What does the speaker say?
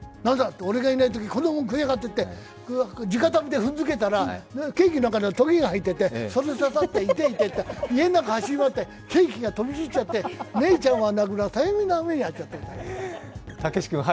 俺がいないとき、こんなもん食いやがってって地下足袋で踏んづけたら、ケーキの中にトゲが入ってて、痛え、痛えって家の中走り回ってケーキが飛び散っちゃって姉ちゃんは泣くわ大変な目に遭っちゃって。